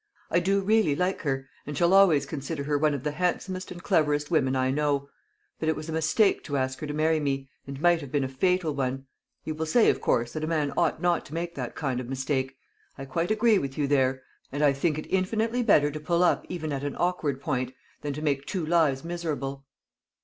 I do really like her, and shall always consider her one of the handsomest and cleverest women I know; but it was a mistake to ask her to marry me, and might have been a fatal one. You will say, of course, that a man ought not to make that kind of mistake. I quite agree with you there; but I made it, and I think it infinitely better to pull up even at an awkward point than to make two lives miserable."